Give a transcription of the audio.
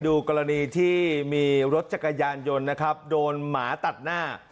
ดูกรณีที่มีรถจักรยานยนต์นะครับโดนหมาตัดหน้า